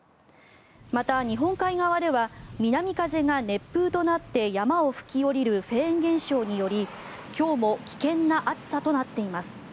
また、日本海側では南風が熱風となって山を吹き下りるフェーン現象により今日も危険な暑さとなっています。